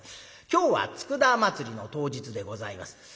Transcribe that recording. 今日は佃祭りの当日でございます。